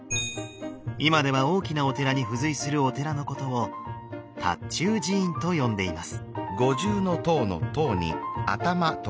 今では大きなお寺に付随するお寺のことを塔頭寺院と呼んでいます。